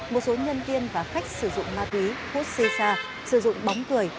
một số nhân viên và khách sử dụng ma túy hút xê xa sử dụng bóng cười